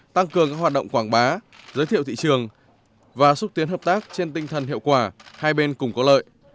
tăng cường các hoạt động quảng bá giới thiệu thị trường và xúc tiến hợp tác trên tinh thần hiệu quả hai bên cũng có lợi